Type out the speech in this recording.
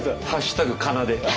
「＃かな」で。